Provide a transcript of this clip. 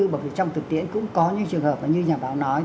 bởi vì trong thực tiễn cũng có những trường hợp là như nhà báo nói